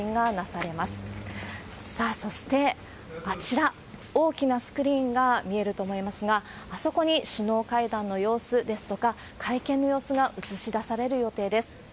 さあ、そしてあちら、大きなスクリーンが見えると思いますが、あそこに首脳会談の様子ですとか、会見の様子が映し出される予定です。